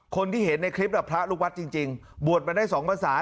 คนที่เห็นในคลิปพระลูกวัดจริงบวชมาได้๒ภาษา